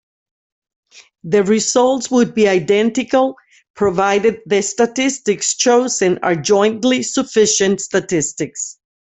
The results would be identical provided the statistics chosen are jointly sufficient statistics.